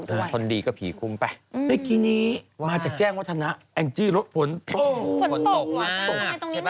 เขาดีก็ผิวคุ้มไปในกีนี้มาจากแจ้งวัฒนะแอ่งจี่รถฝนฝนตกหว่า